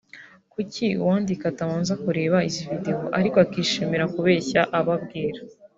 Kuki uwandika atabanza kureba izi video ariko akishimira kubeshya abo abwira”